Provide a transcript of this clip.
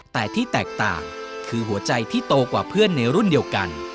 แต่ที่แตกต่างคือหัวใจที่โตกว่าเพื่อนในรุ่นเดียวกัน